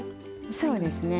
そうですね。